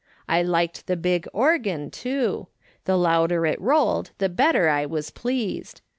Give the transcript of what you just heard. I liked the big organ, too. The louder it rolled the better I was pleased.